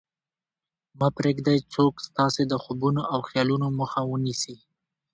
مه پرېږدئ څوک ستاسې د خوبونو او خیالونو مخه ونیسي